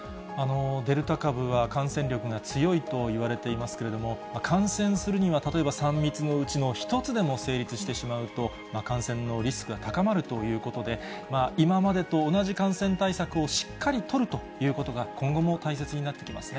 デルタ株は、感染力が強いといわれていますけれども、感染するには、例えば３密のうちの１つでも成立してしまうと、感染のリスクが高まるということで、今までと同じ感染対策をしっかり取るということが、今後も大切になってきますね。